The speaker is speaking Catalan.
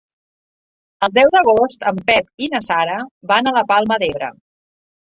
El deu d'agost en Pep i na Sara van a la Palma d'Ebre.